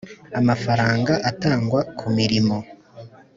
amafaranga atangwa ku mirimo